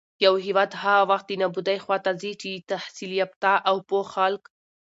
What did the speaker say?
يـو هېـواد هـغه وخـت د نـابـودۍ خـواتـه ځـي چـې تحـصيل يافتـه او پـوه خلـک